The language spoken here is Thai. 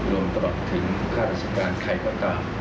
รวมต่อถึงฆ่าราชการใครก็ตาม